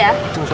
orang oran sea